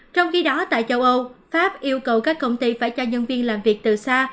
trong khi đó tại châu âu pháp yêu cầu các công ty phải cho nhân viên làm việc từ xa